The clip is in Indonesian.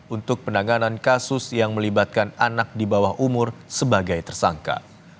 untuk penanganan kasus yang melibatkan anak di bawah umur sebagai tersangka